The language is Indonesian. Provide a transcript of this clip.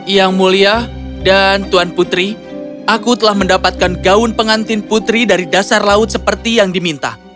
yang mulia dan tuan putri aku telah mendapatkan gaun pengantin putri dari dasar laut seperti yang diminta